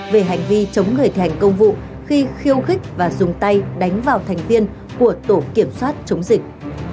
về hành vi chống người thi hành công vụ khiêu khích và dùng tay đánh vào thành viên của tổ kiểm soát chống dịch